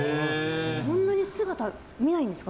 そんなに姿、見ないんですか？